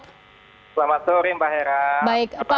selamat sore mbak hera